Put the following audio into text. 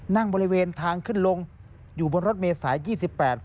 บริเวณทางขึ้นลงอยู่บนรถเมษายยี่สิบแปด